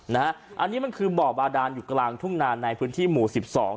นะฮะอันนี้มันคือบ่อบาดานอยู่กลางทุ่งนานในพื้นที่หมู่สิบสอง